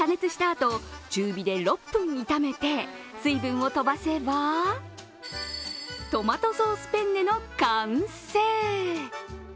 あと中火で６分炒めて水分を飛ばせばトマトソースペンネの完成。